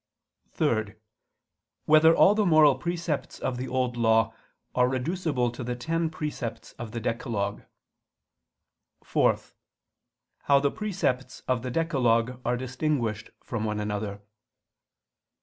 (3) Whether all the moral precepts of the Old Law are reducible to the ten precepts of the decalogue? (4) How the precepts of the decalogue are distinguished from one another?